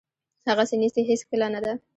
هغسې نیستي هیڅکله نه ده.